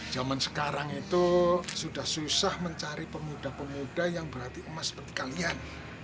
zaman sekarang itu sudah susah mencari pemuda pemuda yang berarti emas seperti kalian